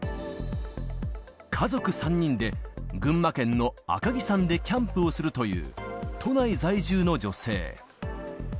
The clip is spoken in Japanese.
家族３人で、群馬県の赤城山でキャンプをするという、都内在住の女性。